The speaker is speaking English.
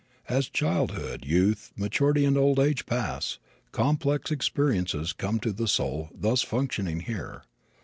As childhood, youth, maturity and old age pass, complex experiences come to the soul thus functioning here.